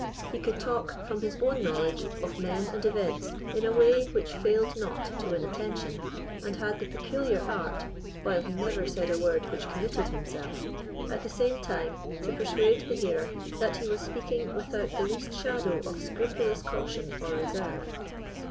He could talk, from his own knowledge, of men and events, in a way which failed not to win attention, and had the peculiar art, while he never said a word which committed himself, at the same time to persuade the hearer that he was speaking without the least shadow of scrupulous caution or reserve.